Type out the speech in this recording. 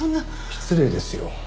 失礼ですよ。